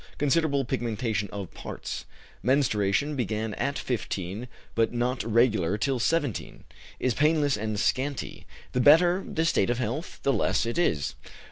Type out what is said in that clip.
Considerable pigmentation of parts. Menstruation began at 15, but not regular till 17; is painless and scanty; the better the state of health, the less it is.